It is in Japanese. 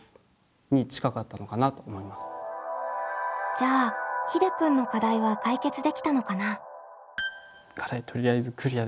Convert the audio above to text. じゃあひでくんの課題は解決できたのかな？